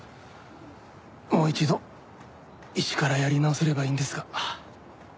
もう一度一からやり直せればいいんですが。